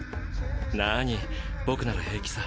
なあに僕なら平気さ。